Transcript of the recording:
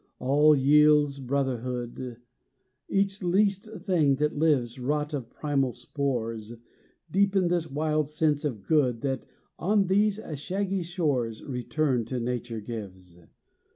All yields brotherhood; Each least thing that lives, Wrought of primal spores, Deepens this wild sense of good That, on these shaggy shores, Return to nature gives.